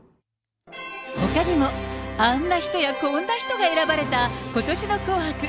ほかにも、あんな人やこんな人が選ばれたことしの紅白。